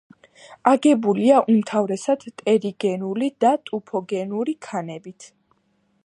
აგებულია უმთავრესად ტერიგენული და ტუფოგენური ქანებით.